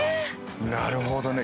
なるほどね。